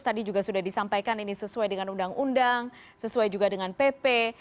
tadi juga sudah disampaikan ini sesuai dengan undang undang sesuai juga dengan pp